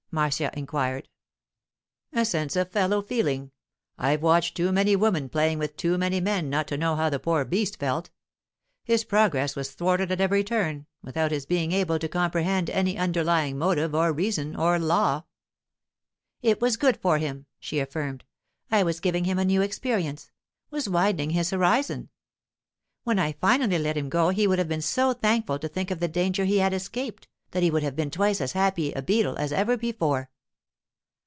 Marcia inquired. 'A sense of fellow feeling—I've watched too many women playing with too many men not to know how the poor beast felt. His progress was thwarted at every turn, without his being able to comprehend any underlying motive or reason or law.' 'It was good for him,' she affirmed. 'I was giving him a new experience—was widening his horizon. When I finally let him go he would have been so thankful to think of the danger he had escaped, that he would have been twice as happy a beetle as ever before.